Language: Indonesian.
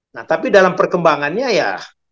nah tapi dalam perkembangannya ya